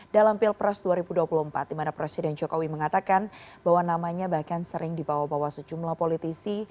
dalam pilpres dua ribu dua puluh empat di mana presiden jokowi mengatakan bahwa namanya bahkan sering dibawa bawa sejumlah politisi